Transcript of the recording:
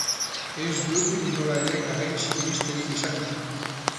Ez dut inola ere garaiz iristerik izango.